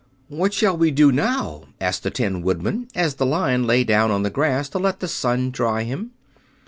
"What shall we do now?" asked the Tin Woodman, as the Lion lay down on the grass to let the sun dry him.